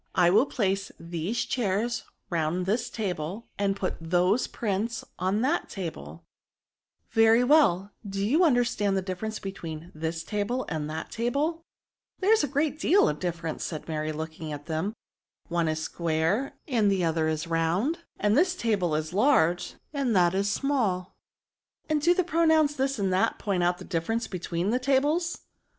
I will place these chairs round this table, and put those prints on that table/' Very well : do you understand the differ ence between this table and that table V^ ^^ There is a great deal of difference,'* said Mary, looking at them, *^ one is square, and the other is round ; then this table is large, and that is smalL'' And do the pronouns this and that point out the difference between the tables